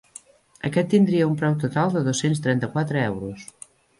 Aquest tindria un preu total de dos-cents trenta-quatre euros.